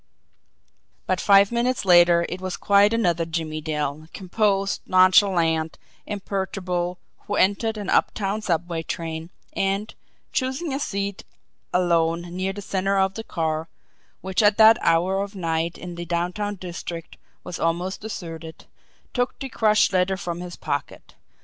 But five minutes later it was quite another Jimmie Dale, composed, nonchalant, imperturbable, who entered an up town subway train, and, choosing a seat alone near the centre of the car, which at that hour of night in the downtown district was almost deserted, took the crushed letter from his pocket.